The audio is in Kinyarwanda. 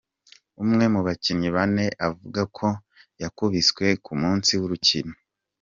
Umwe mu bakinyi bane avuga ko yakubiswe ku musi w'urukino.